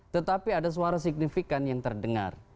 tetapi ada suara signifikan yang terdengar